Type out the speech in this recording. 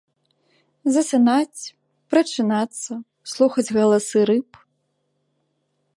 Засынаць, прачынацца, слухаць галасы рыб.